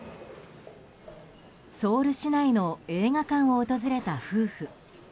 ソウル市内の映画館を訪れた夫婦。